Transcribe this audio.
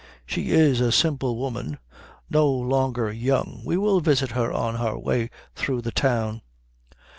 She is a simple woman. No longer young. We will visit her on our way through the town."